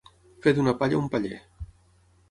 Fer d'una palla un paller.